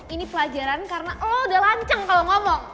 ini pelajaran karena oh udah lanceng kalau ngomong